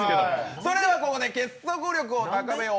それでは、ここで「結束力を高めよう！